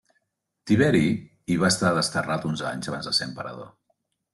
Tiberi hi va estar desterrat uns anys abans de ser emperador.